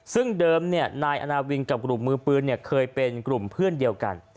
ซึ่งเดิมนายอาณาวินกับกลุ่มมือปืนเคยเป็นกลุ่มเพื่อนเดียวกัน